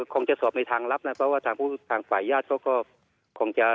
คงจะสอบในทางลับนะเพราะว่าทางฝ่ายญาติเขาก็คงจะ